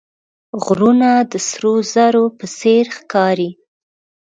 غرونه د سرو زرو په څېر ښکاري